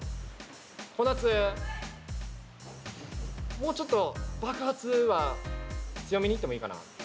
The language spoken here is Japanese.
もうちょっと爆発は強めに言ってもいいかな。